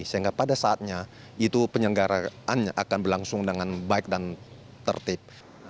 sehingga pada saatnya itu penyelenggaraannya akan berlangsung dengan baik dan tertib